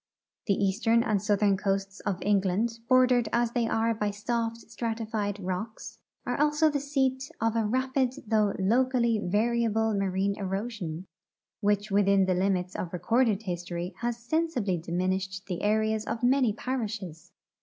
The east ern and southern coasts of England, bordered as the}'' are by soft stratified rocks, are also the seat of a rapid though locally varia ble marine erosion, which within the limits of recorded history has sensibly diminished the areas of many parishes.